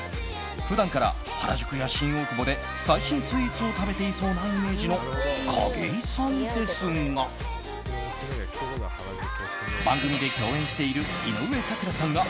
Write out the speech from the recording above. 普段から原宿や新大久保で最新スイーツを食べていそうなイメージの景井さんですが番組で共演している井上咲楽さんが